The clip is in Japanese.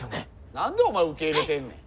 何でお前受け入れてんねん。